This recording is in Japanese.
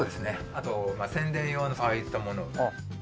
あと宣伝用のああいったものを。